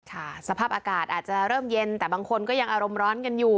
สภาพอากาศอาจจะเริ่มเย็นแต่บางคนก็ยังอารมณ์ร้อนกันอยู่